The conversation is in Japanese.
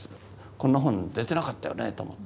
こんな本出てなかったよねと思った。